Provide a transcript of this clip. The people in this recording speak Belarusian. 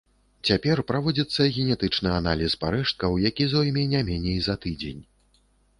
Цяпер праводзіцца генетычны аналіз парэшткаў, які зойме не меней за тыдзень.